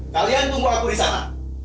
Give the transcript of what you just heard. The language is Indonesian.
kalian tunggu aku di sana